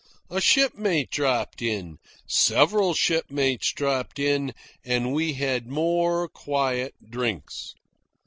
A shipmate dropped in, several shipmates dropped in, and we had more quiet drinks.